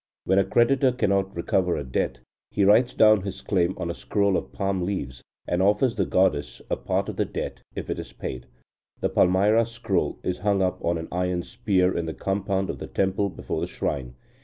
When a creditor cannot recover a debt, he writes down his claim on a scroll of palm leaves, and offers the goddess a part of the debt, if it is paid. The palmyra scroll is hung up on an iron spear in the compound of the temple before the shrine.